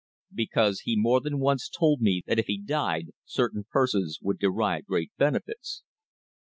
"Because he more than once told me that if he died certain persons would derive great benefits."